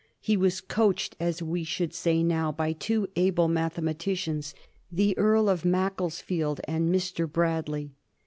He was coached," as we should say now, by two able mathema ticians, the Earl of Macclesfield and Mr. Bradley.